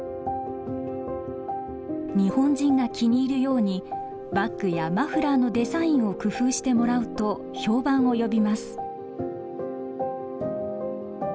日本人が気に入るようにバッグやマフラーのデザインを工夫してもらうと評判を呼びます。